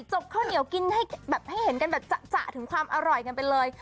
กข้าวเหนียวกินให้แบบให้เห็นกันแบบจะถึงความอร่อยกันไปเลย